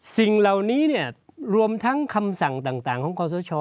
สิ่งเหล่านี้รวมทั้งคำสั่งต่างของความสะชอ